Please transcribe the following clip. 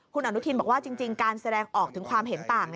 คุณอนุทินบอกว่าจริงการแสดงออกถึงความเห็นต่าง